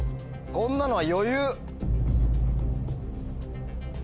こんなのは余裕。